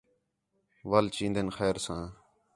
وَل چیندین خیر ساں